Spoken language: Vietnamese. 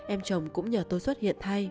em chồng cũng nhờ tôi xuất hiện thay